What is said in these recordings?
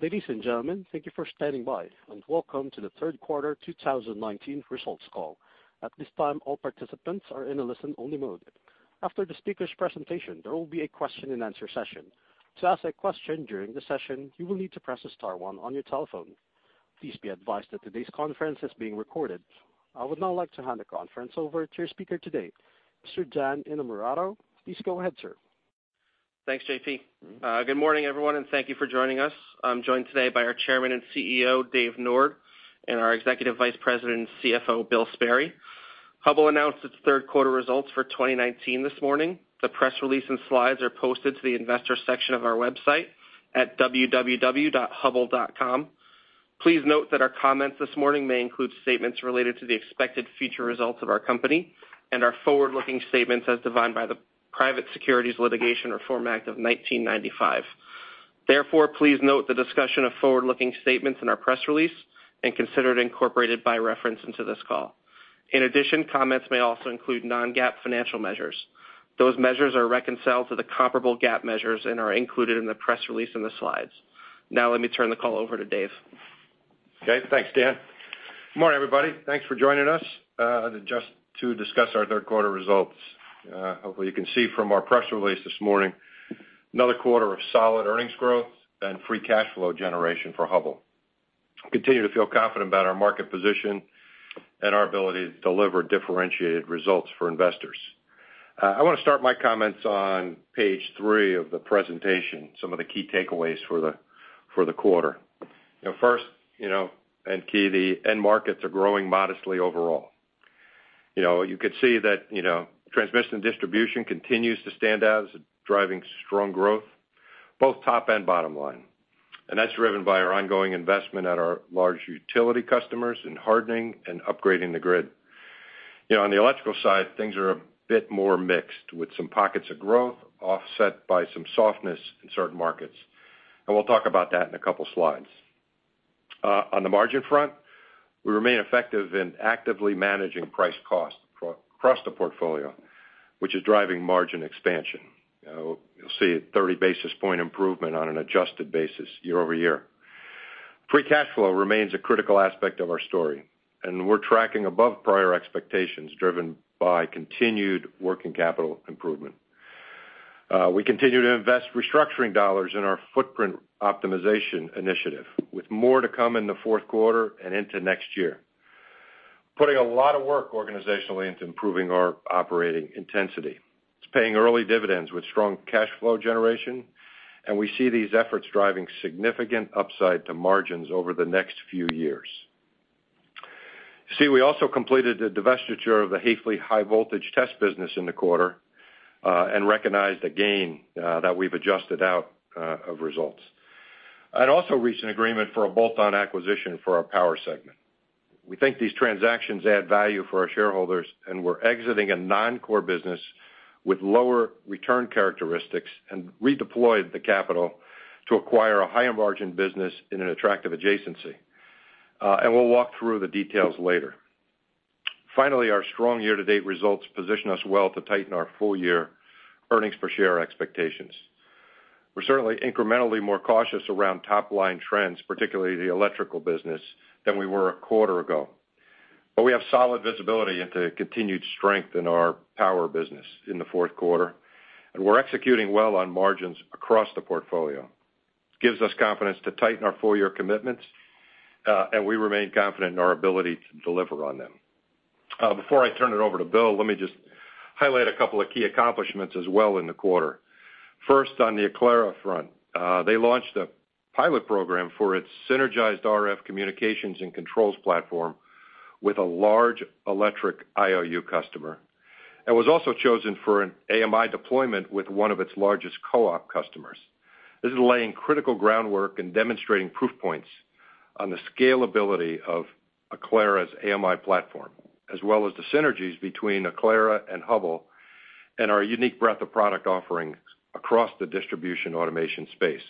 Ladies and gentlemen, thank you for standing by, and welcome to the third quarter 2019 results call. At this time, all participants are in a listen-only mode. After the speakers' presentation, there will be a question and answer session. To ask a question during the session, you will need to press star one on your telephone. Please be advised that today's conference is being recorded. I would now like to hand the conference over to your speaker today, Mr. Dan Innamorato. Please go ahead, sir. Thanks, JP. Good morning, everyone, thank you for joining us. I'm joined today by our Chairman and CEO, Dave Nord, and our Executive Vice President and CFO, Bill Sperry. Hubbell announced its third quarter results for 2019 this morning. The press release and slides are posted to the investor section of our website at www.hubbell.com. Please note that our comments this morning may include statements related to the expected future results of our company and are forward-looking statements as defined by the Private Securities Litigation Reform Act of 1995. Please note the discussion of forward-looking statements in our press release and consider it incorporated by reference into this call. Comments may also include non-GAAP financial measures. Those measures are reconciled to the comparable GAAP measures and are included in the press release and the slides. Let me turn the call over to Dave. Okay. Thanks, Dan. Good morning, everybody. Thanks for joining us to discuss our third quarter results. Hopefully, you can see from our press release this morning, another quarter of solid earnings growth and free cash flow generation for Hubbell. We continue to feel confident about our market position and our ability to deliver differentiated results for investors. I want to start my comments on page three of the presentation, some of the key takeaways for the quarter. First and key, the end markets are growing modestly overall. You could see that transmission distribution continues to stand out as driving strong growth, both top and bottom line. That's driven by our ongoing investment at our large utility customers in hardening and upgrading the grid. On the electrical side, things are a bit more mixed, with some pockets of growth offset by some softness in certain markets. We'll talk about that in a couple slides. On the margin front, we remain effective in actively managing price cost across the portfolio, which is driving margin expansion. You'll see a 30 basis point improvement on an adjusted basis year-over-year. Free cash flow remains a critical aspect of our story, and we're tracking above prior expectations, driven by continued working capital improvement. We continue to invest restructuring dollars in our footprint optimization initiative, with more to come in the fourth quarter and into next year. Putting a lot of work organizationally into improving our operating intensity. It's paying early dividends with strong cash flow generation, and we see these efforts driving significant upside to margins over the next few years. You see, we also completed the divestiture of the Haefely high voltage test business in the quarter and recognized a gain that we've adjusted out of results, and also reached an agreement for a bolt-on acquisition for our Power segment. We think these transactions add value for our shareholders, and we're exiting a non-core business with lower return characteristics and redeployed the capital to acquire a higher margin business in an attractive adjacency. We'll walk through the details later. Finally, our strong year-to-date results position us well to tighten our full-year earnings per share expectations. We're certainly incrementally more cautious around top-line trends, particularly the Electrical business, than we were a quarter ago. We have solid visibility into continued strength in our Power business in the fourth quarter, and we're executing well on margins across the portfolio. Gives us confidence to tighten our full-year commitments, and we remain confident in our ability to deliver on them. Before I turn it over to Bill, let me just highlight a couple of key accomplishments as well in the quarter. First, on the Aclara front. They launched a pilot program for its synergized RF communications and controls platform with a large electric IOU customer and was also chosen for an AMI deployment with one of its largest co-op customers. This is laying critical groundwork and demonstrating proof points on the scalability of Aclara's AMI platform, as well as the synergies between Aclara and Hubbell and our unique breadth of product offerings across the distribution automation space,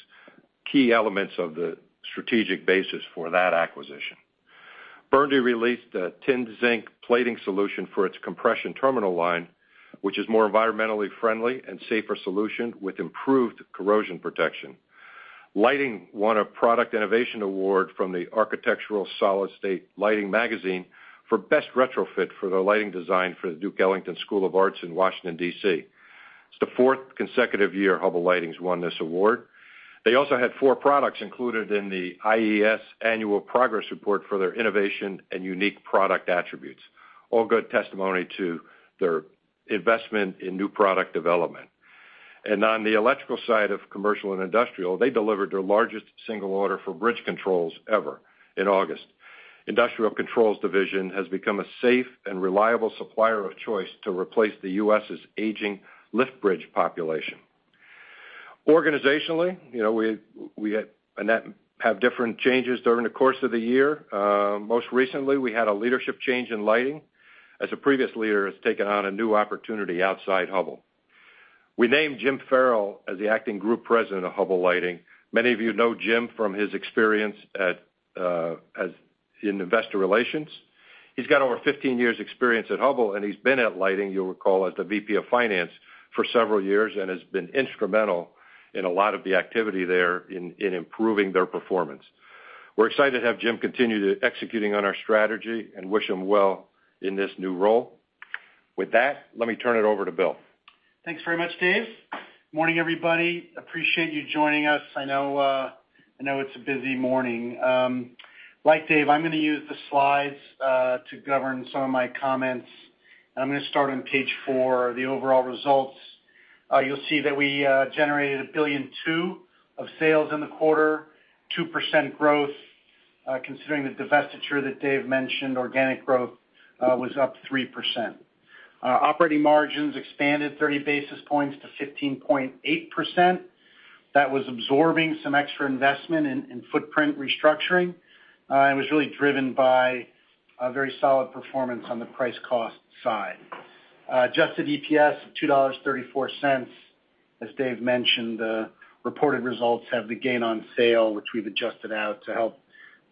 key elements of the strategic basis for that acquisition. Burndy released a tin-zinc plating solution for its compression terminal line, which is more environmentally friendly and safer solution with improved corrosion protection. Lighting won a product innovation award from the Architectural SSL magazine for best retrofit for the lighting design for the Duke Ellington School of the Arts in Washington, D.C. It's the fourth consecutive year Hubbell Lighting's won this award. They also had four products included in the IES annual progress report for their innovation and unique product attributes. All good testimony to their investment in new product development. On the electrical side of commercial and industrial, they delivered their largest single order for bridge controls ever in August. Industrial controls division has become a safe and reliable supplier of choice to replace the U.S.'s aging lift bridge population. Organizationally, we have different changes during the course of the year. Most recently, we had a leadership change in lighting as a previous leader has taken on a new opportunity outside Hubbell. We named Jim Farrell as the acting Group President of Hubbell Lighting. Many of you know Jim from his experience in investor relations. He's got over 15 years experience at Hubbell, and he's been at Lighting, you'll recall, as the VP of Finance for several years and has been instrumental in a lot of the activity there in improving their performance. We're excited to have Jim continue to executing on our strategy and wish him well in this new role. With that, let me turn it over to Bill. Thanks very much, Dave. Morning, everybody. Appreciate you joining us. I know it's a busy morning. Like Dave, I'm going to use the slides to govern some of my comments. I'm going to start on page four, the overall results. You'll see that we generated $1.2 billion of sales in the quarter, 2% growth. Considering the divestiture that Dave mentioned, organic growth was up 3%. Operating margins expanded 30 basis points to 15.8%. That was absorbing some extra investment in footprint restructuring, was really driven by a very solid performance on the price cost side. Adjusted EPS $2.34. As Dave mentioned, the reported results have the gain on sale, which we've adjusted out to help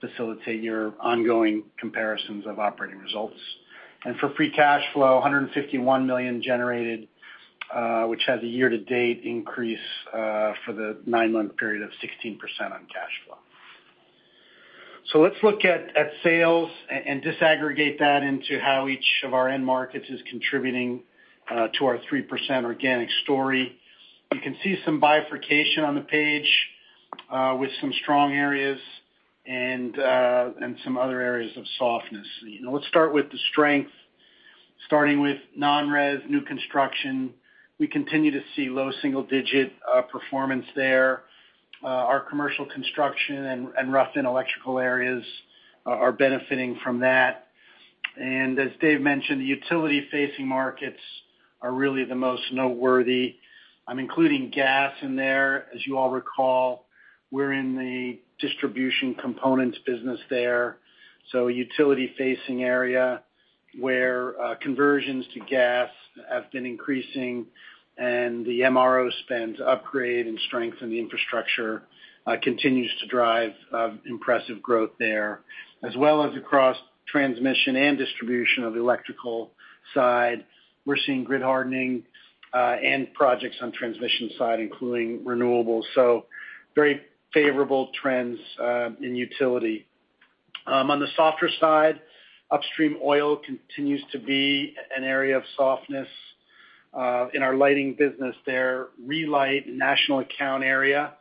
facilitate your ongoing comparisons of operating results. For free cash flow, $151 million generated, which has a year-to-date increase for the nine-month period of 16% on cash flow. Let's look at sales and disaggregate that into how each of our end markets is contributing to our 3% organic story. You can see some bifurcation on the page with some strong areas and some other areas of softness. Let's start with the strength. Starting with non-res new construction, we continue to see low single-digit performance there. Our commercial construction and rough electrical areas are benefiting from that. As Dave mentioned, the utility-facing markets are really the most noteworthy. I'm including gas in there. As you all recall, we're in the distribution components business there. A utility-facing area where conversions to gas have been increasing and the MRO spends upgrade and strengthen the infrastructure continues to drive impressive growth there. As well as across transmission and distribution of the electrical side, we're seeing grid hardening and projects on transmission side, including renewables. Very favorable trends in utility. On the softer side, upstream oil continues to be an area of softness. In our lighting business there, relight national account area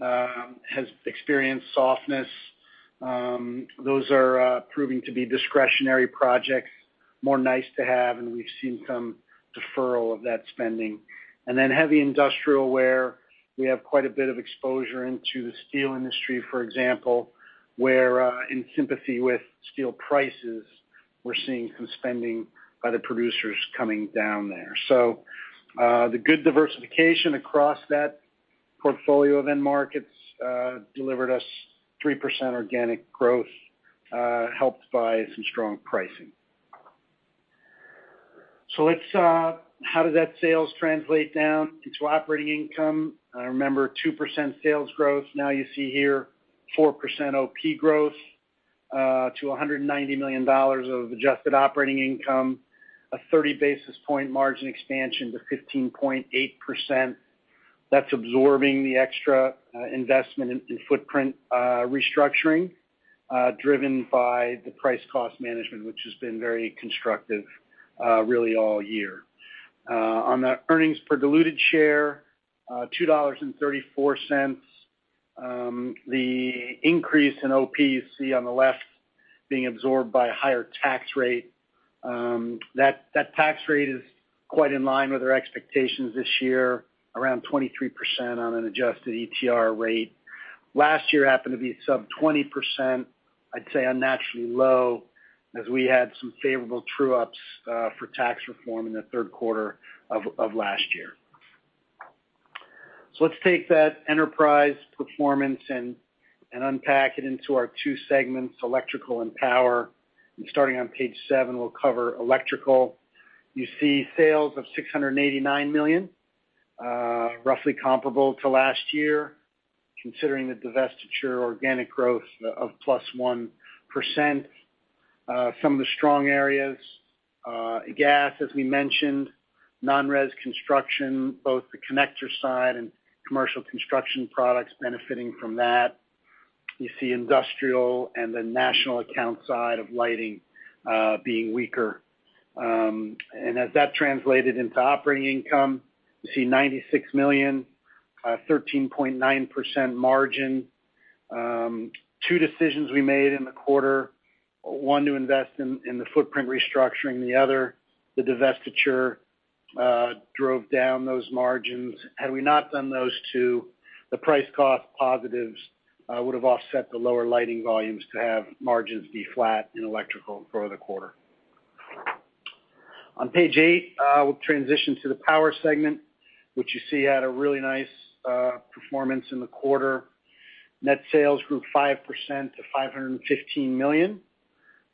has experienced softness. Those are proving to be discretionary projects, more nice to have, and we've seen some deferral of that spending. Heavy industrial, where we have quite a bit of exposure into the steel industry, for example, where in sympathy with steel prices, we're seeing some spending by the producers coming down there. The good diversification across that portfolio of end markets delivered us 3% organic growth, helped by some strong pricing. How does that sales translate down into operating income? Remember, 2% sales growth. You see here 4% OP growth to $190 million of adjusted operating income, a 30 basis point margin expansion to 15.8%. That's absorbing the extra investment in footprint restructuring, driven by the price cost management, which has been very constructive really all year. On the earnings per diluted share, $2.34. The increase in OP, you see on the left, being absorbed by a higher tax rate. That tax rate is quite in line with our expectations this year, around 23% on an adjusted ETR rate. Last year happened to be sub 20%, I'd say unnaturally low, as we had some favorable true-ups for tax reform in the third quarter of last year. Let's take that enterprise performance and unpack it into our two segments, electrical and power. Starting on page seven, we'll cover electrical. You see sales of $689 million, roughly comparable to last year. Considering the divestiture, organic growth of +1%. Some of the strong areas, gas, as we mentioned, non-res construction, both the connector side and commercial construction products benefiting from that. You see industrial and the national account side of lighting being weaker. As that translated into operating income, you see $96 million, 13.9% margin. Two decisions we made in the quarter, one to invest in the footprint restructuring, the other, the divestiture drove down those margins. Had we not done those two, the price cost positives would have offset the lower lighting volumes to have margins be flat in electrical for the quarter. On page eight, we'll transition to the power segment, which you see had a really nice performance in the quarter. Net sales grew 5% to $515 million.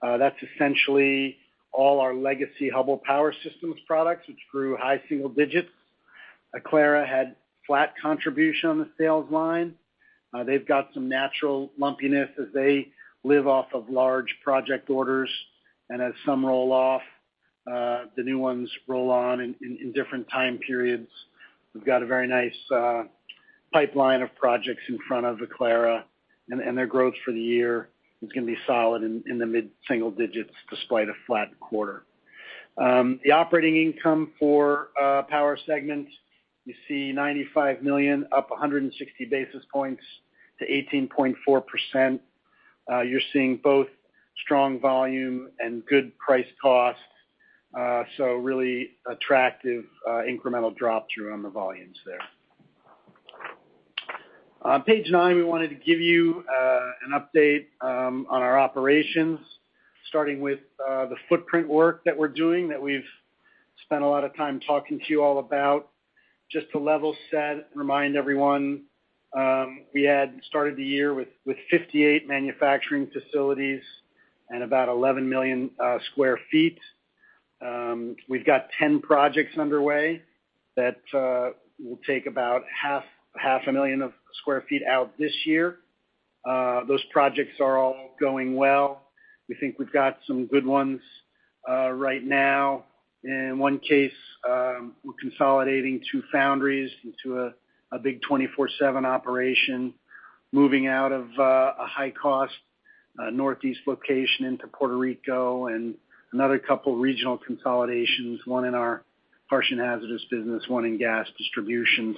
That's essentially all our legacy Hubbell Power Systems products, which grew high single digits. Aclara had flat contribution on the sales line. They've got some natural lumpiness as they live off of large project orders, and as some roll off, the new ones roll on in different time periods. We've got a very nice pipeline of projects in front of Aclara, and their growth for the year is going to be solid in the mid-single digits despite a flat quarter. The operating income for Power segment, you see $95 million, up 160 basis points to 18.4%. You're seeing both strong volume and good price cost. Really attractive incremental drop-through on the volumes there. On page nine, we wanted to give you an update on our operations, starting with the footprint work that we're doing, that we've spent a lot of time talking to you all about. Just to level set, remind everyone, we had started the year with 58 manufacturing facilities and about 11 million square feet. We've got 10 projects underway that will take about half a million square feet out this year. Those projects are all going well. We think we've got some good ones right now. In one case, we're consolidating two foundries into a big 24/7 operation, moving out of a high-cost Northeast location into Puerto Rico, and another couple regional consolidations, one in our harsh and hazardous business, one in gas distribution.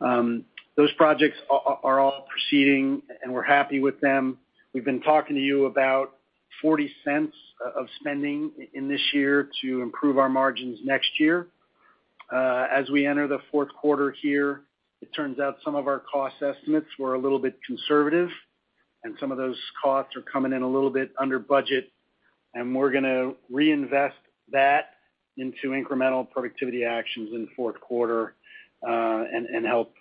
Those projects are all proceeding, and we're happy with them. We've been talking to you about $0.40 of spending in this year to improve our margins next year. As we enter the fourth quarter here, it turns out some of our cost estimates were a little bit conservative, and some of those costs are coming in a little bit under budget, and we're going to reinvest that into incremental productivity actions in the fourth quarter, and help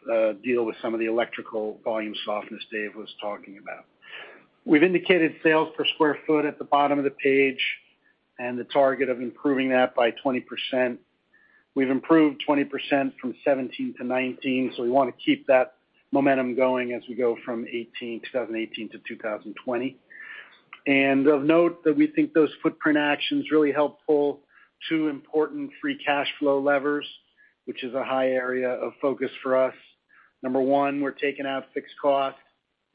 deal with some of the electrical volume softness Dave was talking about. We've indicated sales per square foot at the bottom of the page and the target of improving that by 20%. We've improved 20% from 2017 to 2019, so we want to keep that momentum going as we go from 2018 to 2020. Of note, that we think those footprint actions really helpful to important free cash flow levers, which is a high area of focus for us. Number one, we're taking out fixed costs,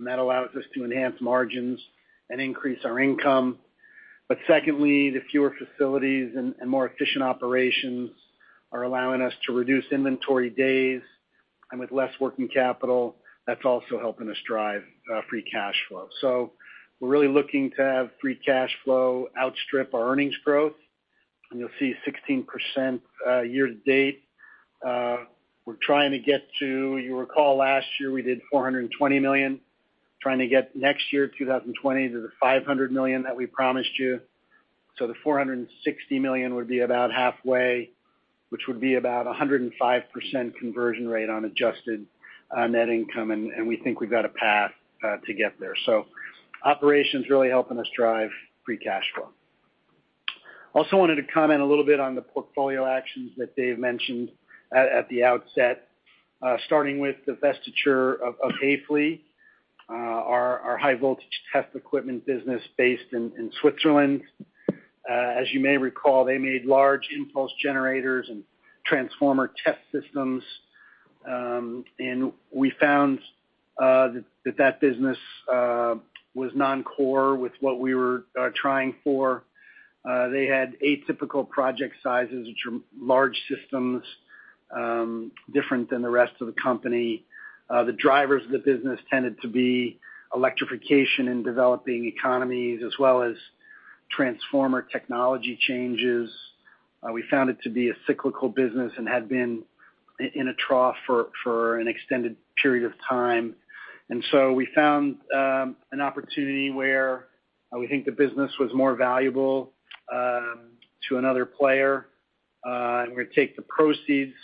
and that allows us to enhance margins and increase our income. Secondly, the fewer facilities and more efficient operations are allowing us to reduce inventory days, and with less working capital, that's also helping us drive free cash flow. We're really looking to have free cash flow outstrip our earnings growth. You'll see 16% year-to-date. We're trying to get to, you recall last year we did $420 million, trying to get next year, 2020, to the $500 million that we promised you. The $460 million would be about halfway, which would be about 105% conversion rate on adjusted net income, and we think we've got a path to get there. Operations really helping us drive free cash flow. Wanted to comment a little bit on the portfolio actions that David Nord mentioned at the outset. Starting with the divestiture of Haefely, our high voltage test equipment business based in Switzerland. As you may recall, they made large impulse generators and transformer test systems. We found that that business was non-core with what we were trying for. They had atypical project sizes, which were large systems, different than the rest of the company. The drivers of the business tended to be electrification in developing economies as well as transformer technology changes. We found it to be a cyclical business and had been in a trough for an extended period of time. We found an opportunity where we think the business was more valuable to another player. We're going to take the proceeds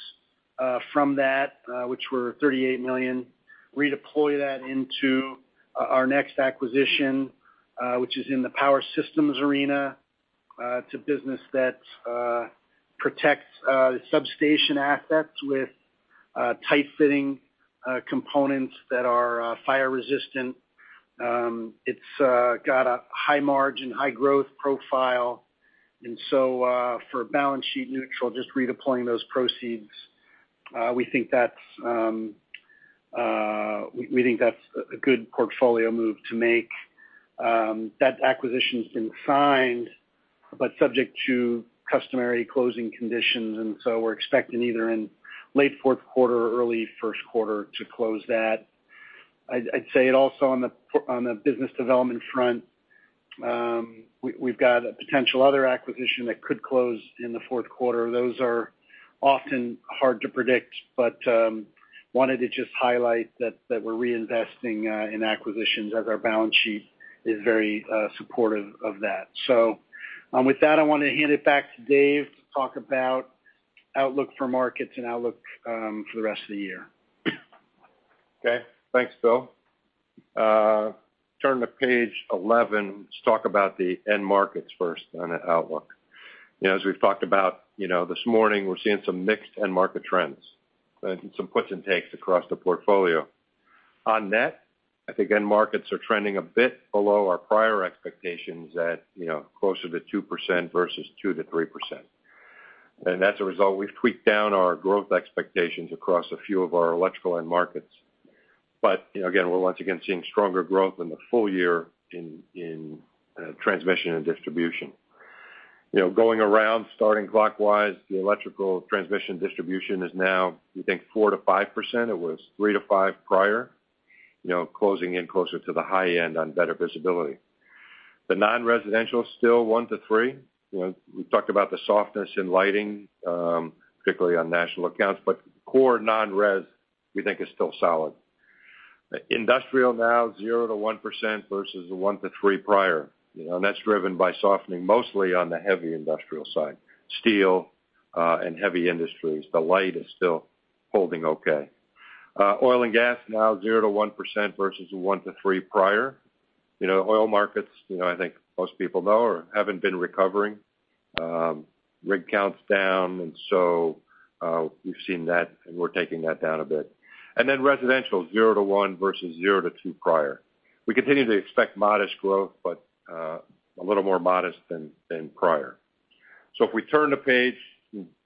from that, which were $38 million, redeploy that into our next acquisition, which is in the power systems arena. It's a business that protects substation assets with tight-fitting components that are fire resistant. It's got a high margin, high growth profile. For balance sheet neutral, just redeploying those proceeds, we think that's a good portfolio move to make. That acquisition's been signed, but subject to customary closing conditions. We're expecting either in late fourth quarter or early first quarter to close that. I'd say also on the business development front, we've got a potential other acquisition that could close in the fourth quarter. Those are often hard to predict, but wanted to just highlight that we're reinvesting in acquisitions as our balance sheet is very supportive of that. With that, I want to hand it back to Dave to talk about outlook for markets and outlook for the rest of the year. Okay. Thanks, Bill. Turn to page 11. Let's talk about the end markets first, on the outlook. As we've talked about this morning, we're seeing some mixed end market trends and some puts and takes across the portfolio. On net, I think end markets are trending a bit below our prior expectations at closer to 2% versus 2%-3%. As a result, we've tweaked down our growth expectations across a few of our electrical end markets. Again, we're once again seeing stronger growth in the full year in transmission and distribution. Going around, starting clockwise, the electrical transmission distribution is now, we think 4%-5%. It was 3%-5% prior, closing in closer to the high end on better visibility. The non-residential is still 1%-3%. We talked about the softness in lighting, particularly on national accounts, but core non-res, we think, is still solid. Industrial now 0%-1% versus 1%-3% prior. That's driven by softening mostly on the heavy industrial side, steel, and heavy industries. The light is still holding okay. Oil and gas now 0%-1% versus 1%-3% prior. Oil markets, I think most people know, haven't been recovering. Rig count's down, and so we've seen that, and we're taking that down a bit. Residential, 0%-1% versus 0%-2% prior. We continue to expect modest growth, but a little more modest than prior. If we turn the page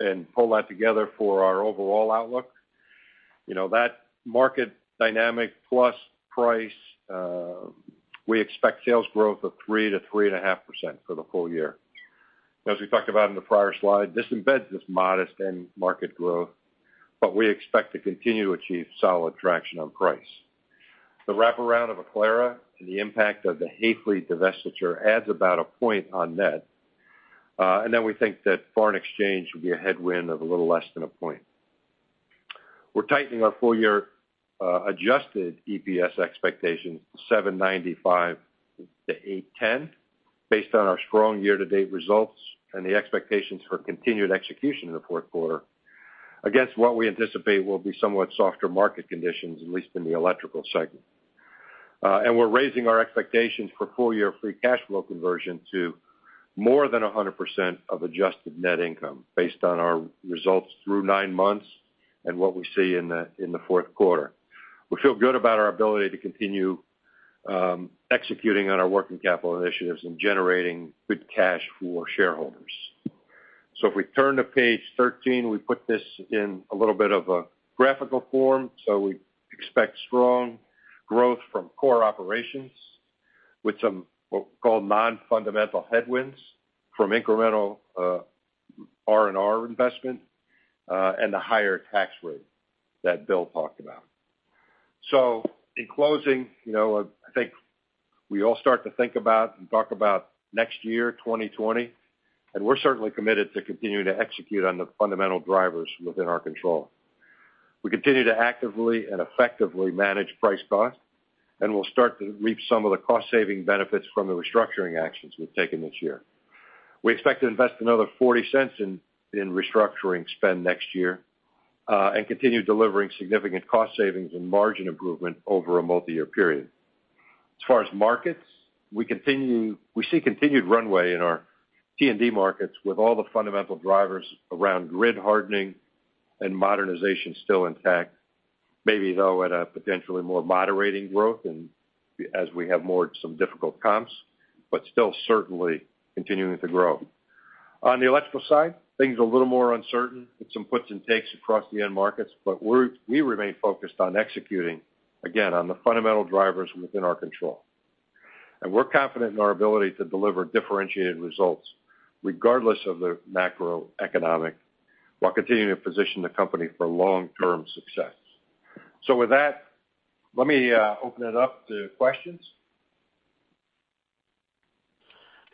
and pull that together for our overall outlook. That market dynamic plus price, we expect sales growth of 3%-3.5% for the full year. As we talked about in the prior slide, this embeds this modest end market growth, but we expect to continue to achieve solid traction on price. The wraparound of Aclara and the impact of the Haefely divestiture adds about a point on net. Then we think that foreign exchange will be a headwind of a little less than a point. We're tightening our full-year adjusted EPS expectations to $7.95 to $8.10 based on our strong year-to-date results and the expectations for continued execution in the fourth quarter against what we anticipate will be somewhat softer market conditions, at least in the electrical segment. We're raising our expectations for full-year free cash flow conversion to more than 100% of adjusted net income based on our results through nine months and what we see in the fourth quarter. We feel good about our ability to continue executing on our working capital initiatives and generating good cash for shareholders. If we turn to page 13, we put this in a little bit of a graphical form. We expect strong growth from core operations with some, we'll call, non-fundamental headwinds from incremental R&R investment, and the higher tax rate that Bill talked about. In closing, I think we all start to think about and talk about next year, 2020, and we're certainly committed to continuing to execute on the fundamental drivers within our control. We continue to actively and effectively manage price cost, and we'll start to reap some of the cost-saving benefits from the restructuring actions we've taken this year. We expect to invest another $0.40 in restructuring spend next year, and continue delivering significant cost savings and margin improvement over a multi-year period. As far as markets, we see continued runway in our T&D markets with all the fundamental drivers around grid hardening and modernization still intact, maybe though at a potentially more moderating growth and as we have more some difficult comps, but still certainly continuing to grow. On the electrical side, things a little more uncertain with some puts and takes across the end markets, but we remain focused on executing, again, on the fundamental drivers within our control. We're confident in our ability to deliver differentiated results regardless of the macroeconomic, while continuing to position the company for long-term success. With that, let me open it up to questions.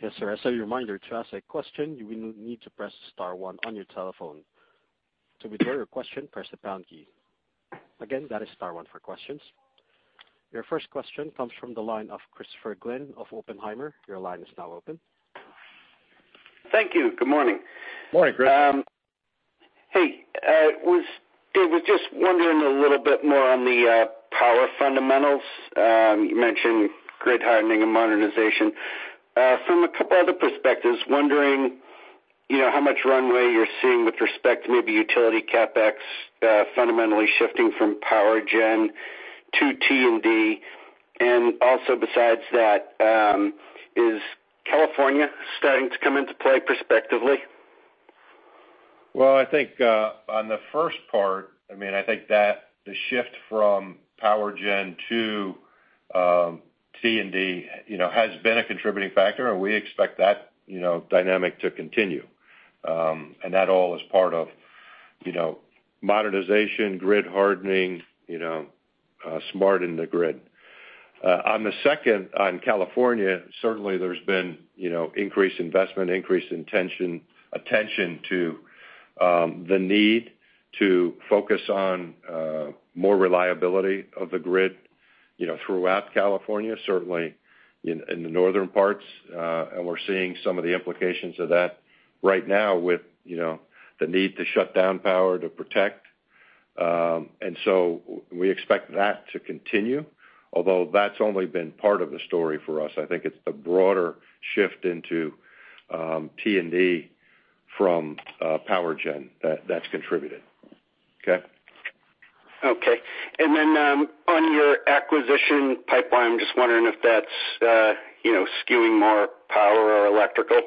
Yes, sir. As a reminder, to ask a question, you will need to press star one on your telephone. To withdraw your question, press the pound key. Again, that is star one for questions. Your first question comes from the line of Christopher Glynn of Oppenheimer. Your line is now open. Thank you. Good morning. Morning, Chris. Hey, was just wondering a little bit more on the power fundamentals. You mentioned grid hardening and modernization. From a couple other perspectives, wondering how much runway you're seeing with respect to maybe utility CapEx fundamentally shifting from power gen to T&D. Also besides that, is California starting to come into play prospectively? Well, I think on the first part, I think the shift from power gen to T&D has been a contributing factor, and we expect that dynamic to continue. That all is part of modernization, grid hardening, smartening the grid. On the second, on California, certainly there's been increased investment, increased attention to the need to focus on more reliability of the grid throughout California, certainly in the northern parts, and we're seeing some of the implications of that right now with the need to shut down power to protect. We expect that to continue, although that's only been part of the story for us. I think it's the broader shift into T&D from power gen that's contributed. Okay? Okay. Then on your acquisition pipeline, I am just wondering if that is skewing more power or electrical.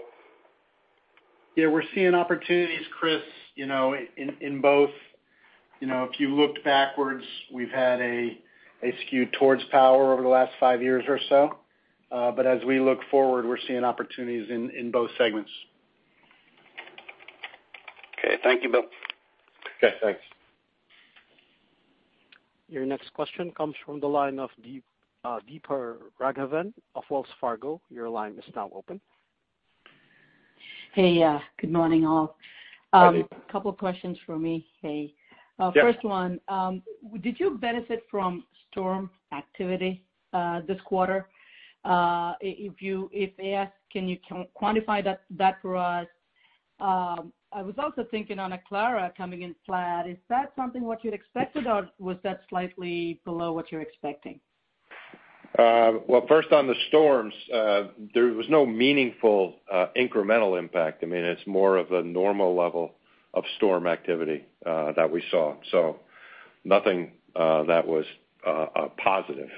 Yeah, we're seeing opportunities, Chris, in both. If you looked backwards, we've had a skew towards power over the last five years or so. As we look forward, we're seeing opportunities in both segments. Okay. Thank you, Bill. Okay, thanks. Your next question comes from the line of Deepa Raghavan of Wells Fargo. Your line is now open. Hey, good morning, all. Hey. A couple questions for me. Hey. Yeah. First one, did you benefit from storm activity this quarter? If yes, can you quantify that for us? I was also thinking on Aclara coming in flat, is that something what you'd expected, or was that slightly below what you're expecting? Well, first on the storms, there was no meaningful incremental impact. It's more of a normal level of storm activity that we saw. Nothing that was positive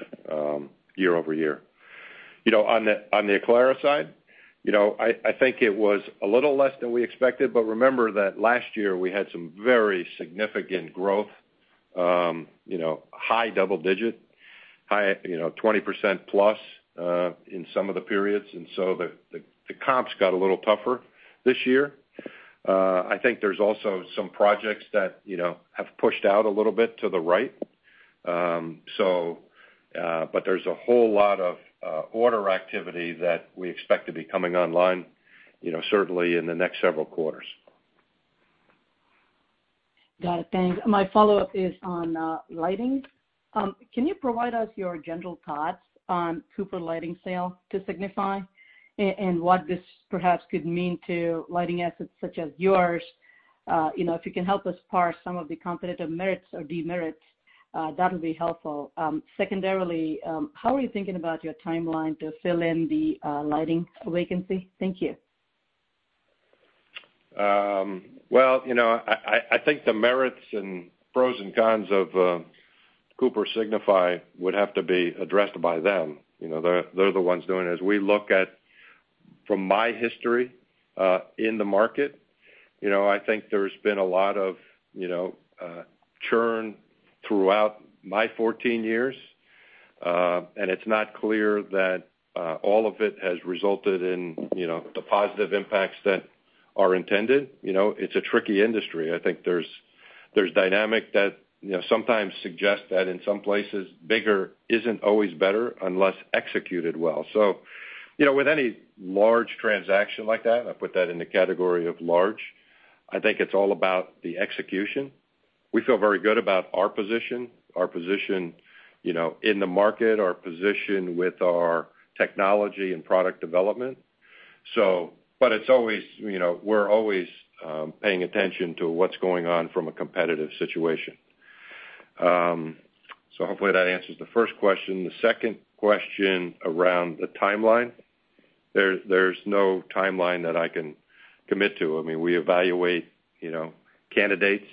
year-over-year. On the Aclara side, I think it was a little less than we expected, remember that last year we had some very significant growth, high double-digit, 20%+ in some of the periods, the comps got a little tougher this year. I think there's also some projects that have pushed out a little bit to the right. There's a whole lot of order activity that we expect to be coming online certainly in the next several quarters. Got it. Thanks. My follow-up is on lighting. Can you provide us your general thoughts on Cooper Lighting sale to Signify and what this perhaps could mean to lighting assets such as yours? If you can help us parse some of the competitive merits or demerits, that'll be helpful. Secondarily, how are you thinking about your timeline to fill in the lighting vacancy? Thank you. Well, I think the merits and pros and cons of Cooper Signify would have to be addressed by them. They're the ones doing it. As we look at, from my history in the market, I think there's been a lot of churn throughout my 14 years, and it's not clear that all of it has resulted in the positive impacts that are intended. It's a tricky industry. I think there's dynamic that sometimes suggests that in some places, bigger isn't always better unless executed well. With any large transaction like that, I put that in the category of large, I think it's all about the execution. We feel very good about our position, our position in the market, our position with our technology and product development. We're always paying attention to what's going on from a competitive situation. Hopefully that answers the first question. The second question around the timeline, there's no timeline that I can commit to. We evaluate candidates,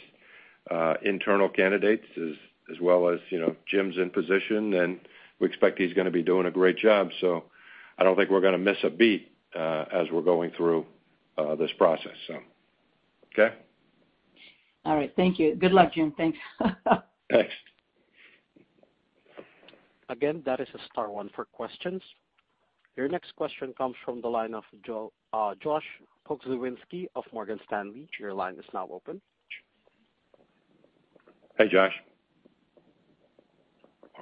internal candidates, as well as Jim's in position, and we expect he's gonna be doing a great job, so I don't think we're gonna miss a beat as we're going through this process. Okay? All right. Thank you. Good luck, Jim. Thanks. Thanks. Again, that is a star one for questions. Your next question comes from the line of Josh Pokrzywinski of Morgan Stanley. Your line is now open. Hey, Josh.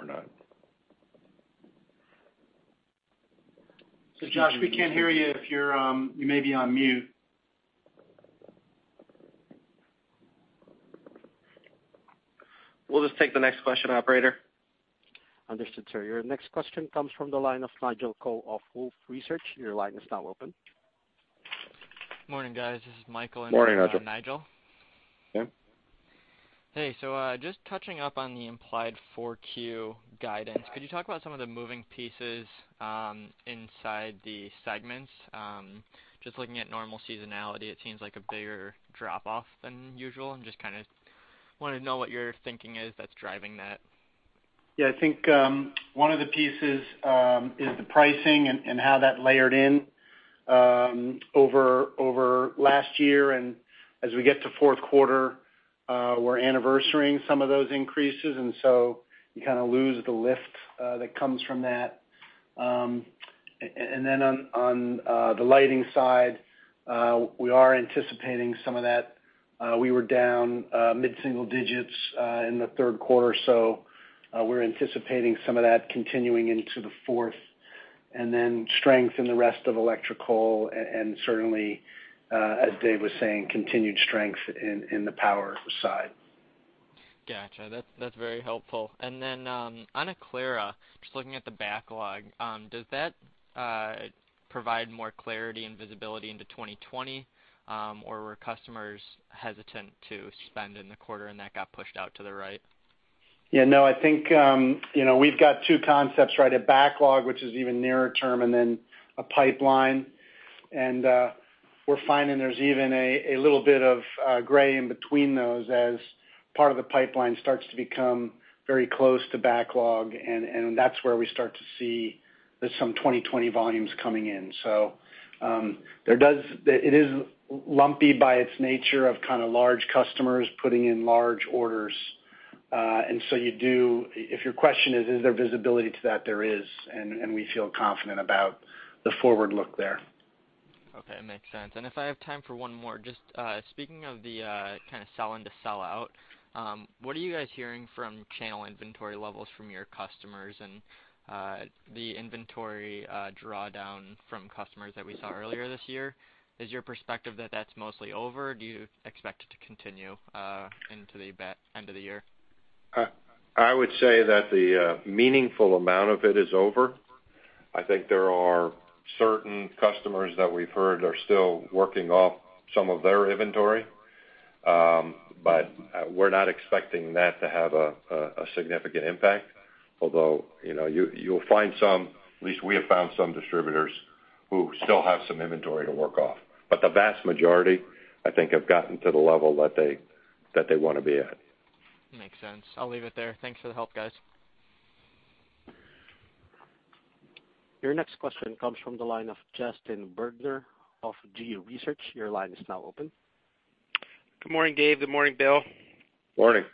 Not. Josh, we can't hear you. You may be on mute. We'll just take the next question, operator. Understood, sir. Your next question comes from the line of Nigel Coe of Wolfe Research. Your line is now open. Morning, guys. This is Michael- Morning, Nigel. in for Nigel. Yeah. Hey. Just touching up on the implied 4Q guidance, could you talk about some of the moving pieces inside the segments? Just looking at normal seasonality, it seems like a bigger drop-off than usual. I just kind of want to know what your thinking is that's driving that. I think one of the pieces is the pricing and how that layered in over last year. As we get to fourth quarter, we're anniversarying some of those increases, and so you kind of lose the lift that comes from that. On the lighting side, we are anticipating some of that. We were down mid-single digits in the third quarter, so we're anticipating some of that continuing into the fourth. Strength in the rest of electrical, and certainly, as Dave was saying, continued strength in the power side. Got you. That's very helpful. On Aclara, just looking at the backlog, does that provide more clarity and visibility into 2020? Or were customers hesitant to spend in the quarter and that got pushed out to the right? Yeah, no, I think, we've got two concepts, right? A backlog, which is even nearer term, and then a pipeline. We're finding there's even a little bit of gray in between those as part of the pipeline starts to become very close to backlog, and that's where we start to see that some 2020 volume's coming in. It is lumpy by its nature of kind of large customers putting in large orders. If your question is there visibility to that? There is, and we feel confident about the forward look there. Okay. Makes sense. If I have time for one more, just speaking of the kind of sell into sellout, what are you guys hearing from channel inventory levels from your customers and the inventory drawdown from customers that we saw earlier this year? Is your perspective that that's mostly over? Do you expect it to continue into the end of the year? I would say that the meaningful amount of it is over. I think there are certain customers that we've heard are still working off some of their inventory. We're not expecting that to have a significant impact. You'll find some, at least we have found some distributors who still have some inventory to work off. The vast majority, I think, have gotten to the level that they want to be at. Makes sense. I'll leave it there. Thanks for the help, guys. Your next question comes from the line of Justin Burgener of [GU Research]. Your line is now open. Good morning, Dave. Good morning, Bill. Morning.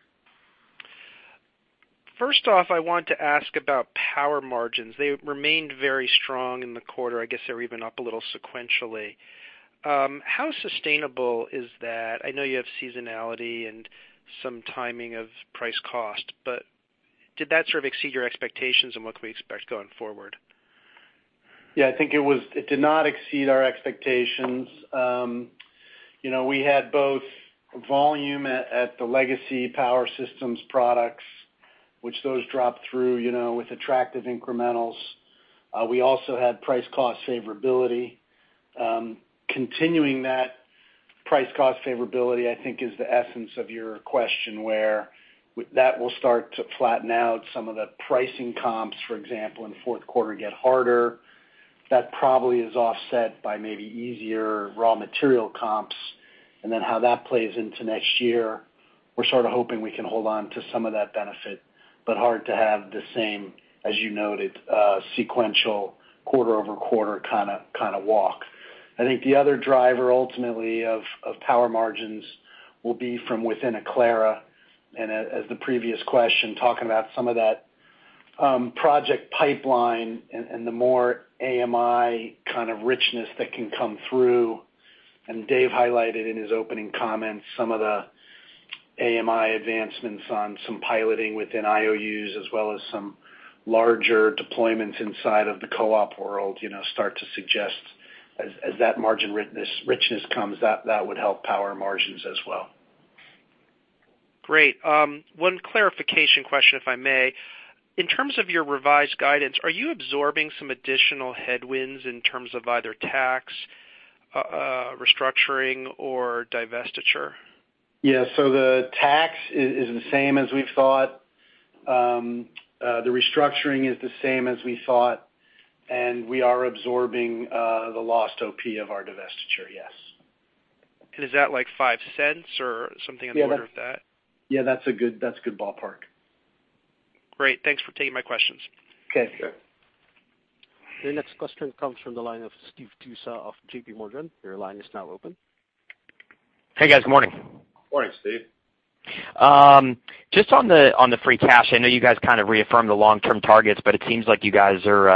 First off, I want to ask about power margins. They remained very strong in the quarter. I guess they were even up a little sequentially. How sustainable is that? I know you have seasonality and some timing of price cost, but did that sort of exceed your expectations and what can we expect going forward? Yeah, I think it did not exceed our expectations. We had both volume at the legacy power systems products, which those dropped through with attractive incrementals. We also had price-cost favorability. Continuing that price-cost favorability, I think, is the essence of your question where that will start to flatten out some of the pricing comps, for example, in the fourth quarter get harder. That probably is offset by maybe easier raw material comps. How that plays into next year, we're sort of hoping we can hold on to some of that benefit, but hard to have the same, as you noted, sequential quarter-over-quarter kind of walk. I think the other driver ultimately of power margins will be from within Aclara, and as the previous question, talking about some of that project pipeline and the more AMI kind of richness that can come through. Dave highlighted in his opening comments some of the AMI advancements on some piloting within IOUs as well as some larger deployments inside of the co-op world start to suggest as that margin richness comes, that would help power margins as well. Great. One clarification question, if I may. In terms of your revised guidance, are you absorbing some additional headwinds in terms of either tax restructuring or divestiture? Yeah. The tax is the same as we thought. The restructuring is the same as we thought, and we are absorbing the lost OP of our divestiture, yes. Is that like $0.05 or something in the order of that? Yeah, that's a good ballpark. Great. Thanks for taking my questions. Okay. Sure. The next question comes from the line of Steve Tusa of JPMorgan. Your line is now open. Hey, guys. Good morning. Morning, Steve. Just on the free cash, I know you guys kind of reaffirmed the long-term targets, but it seems like you guys are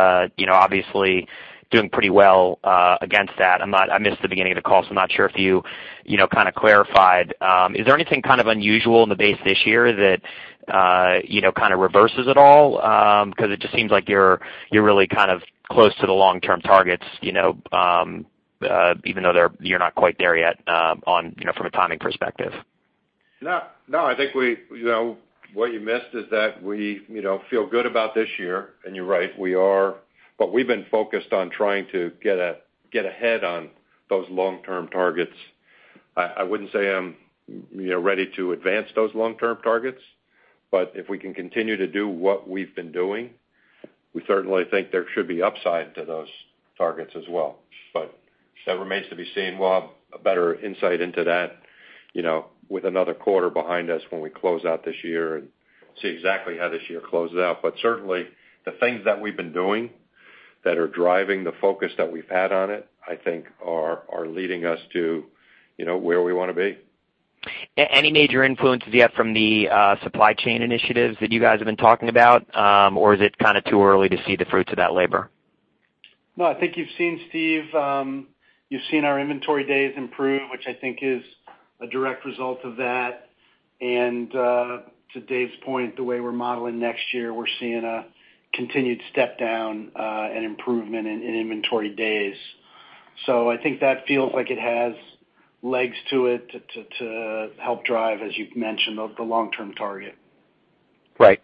obviously doing pretty well against that. I missed the beginning of the call, so I'm not sure if you kind of clarified. Is there anything kind of unusual in the base this year that kind of reverses it all? It just seems like you're really kind of close to the long-term targets, even though you're not quite there yet from a timing perspective. I think what you missed is that we feel good about this year, and you're right, we are. We've been focused on trying to get ahead on those long-term targets. I wouldn't say I'm ready to advance those long-term targets, but if we can continue to do what we've been doing, we certainly think there should be upside to those targets as well. That remains to be seen. We'll have a better insight into that with another quarter behind us when we close out this year and see exactly how this year closes out. Certainly, the things that we've been doing that are driving the focus that we've had on it, I think, are leading us to where we want to be. Any major influences yet from the supply chain initiatives that you guys have been talking about? Or is it kind of too early to see the fruits of that labor? No, I think you've seen, Steve, you've seen our inventory days improve, which I think is a direct result of that. To Dave's point, the way we're modeling next year, we're seeing a continued step-down and improvement in inventory days. I think that feels like it has legs to it to help drive, as you've mentioned, the long-term target. Right.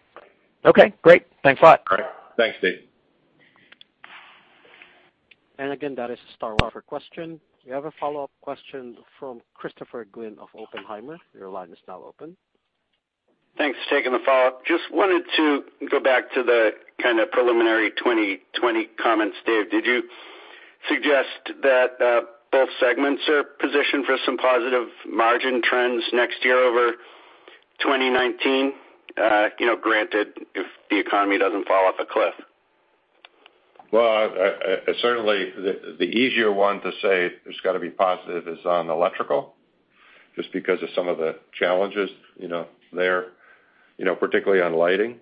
Okay, great. Thanks a lot. All right. Thanks, Dave. Again, that is star one for question. You have a follow-up question from Christopher Glynn of Oppenheimer. Your line is now open. Thanks. Taking the follow-up. Just wanted to go back to the kind of preliminary 2020 comments. Dave, did you suggest that both segments are positioned for some positive margin trends next year over 2019? Granted, if the economy doesn't fall off a cliff. Well, certainly the easier one to say there's got to be positive is on electrical, just because of some of the challenges there, particularly on Lighting.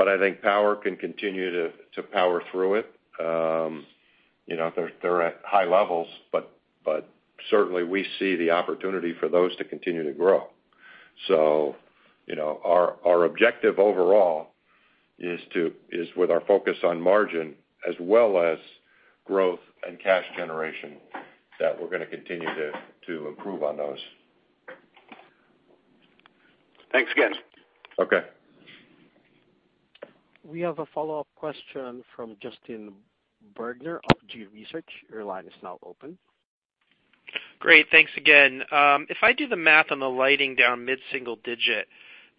I think Power can continue to power through it. They're at high levels, but certainly we see the opportunity for those to continue to grow. Our objective overall is with our focus on margin as well as growth and cash generation, that we're going to continue to improve on those. Thanks again. Okay. We have a follow-up question from Justin Bergner of Gabelli Funds. Your line is now open. Great. Thanks again. If I do the math on the lighting down mid-single digit,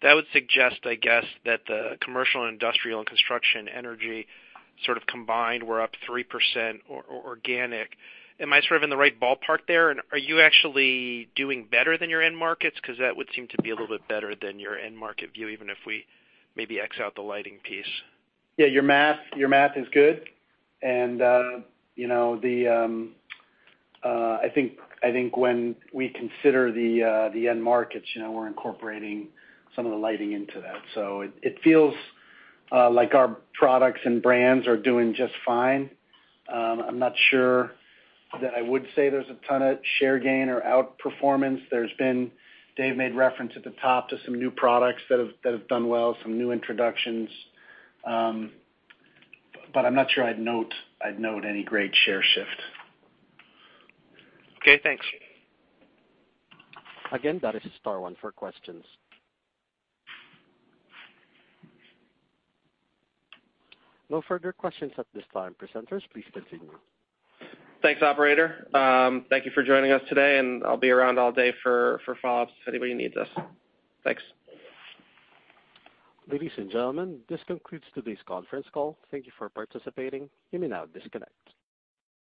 that would suggest, I guess, that the commercial, industrial, and construction energy sort of combined were up 3% organic. Am I sort of in the right ballpark there, and are you actually doing better than your end markets? That would seem to be a little bit better than your end market view, even if we maybe X out the lighting piece. Your math is good, I think when we consider the end markets, we're incorporating some of the lighting into that. It feels like our products and brands are doing just fine. I'm not sure that I would say there's a ton of share gain or outperformance. Dave made reference at the top to some new products that have done well, some new introductions. I'm not sure I'd note any great share shift. Okay, thanks. Again, that is star one for questions. No further questions at this time, presenters. Please continue. Thanks, operator. Thank you for joining us today, and I'll be around all day for follow-ups if anybody needs us. Thanks. Ladies and gentlemen, this concludes today's conference call. Thank you for participating. You may now disconnect.